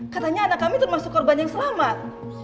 katanya anak kami termasuk korban yang selamat